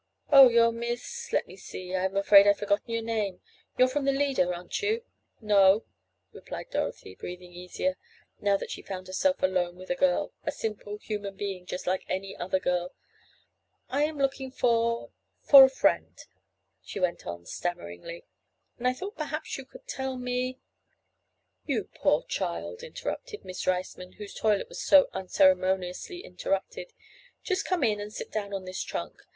"Oh, you're Miss—let me see—I'm afraid I've forgotten your name—you're from the Leader, aren't you?" "No," replied Dorothy, breathing easier, now that she found herself alone with a girl—a simple human being just like any other girl. "I am looking for—for a friend," she went on, stammeringly, "and I thought perhaps you could tell me—" "You poor child," interrupted Miss Riceman whose toilet was so unceremoniously interrupted "just come in and sit down on this trunk.